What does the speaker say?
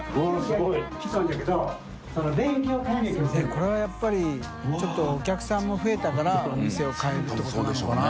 ┐これはやっぱりちょっとお客さんも増えたから垢かえるってことなのかな？